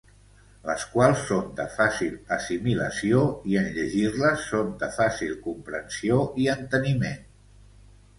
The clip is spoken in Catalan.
Les quals són de fàcil assimilació i, en llegir-les, són de fàcil comprensió i enteniment.